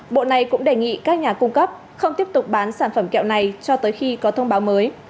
bộ này cũng đề nghị các nhà cung cấp không tiếp tục bán sản phẩm kẹo này cho tới khi có thông báo mới